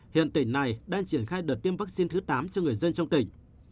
hiện tỉnh này đang triển khai đợt tiêm vaccine thứ tám cho người dân trong tỉnh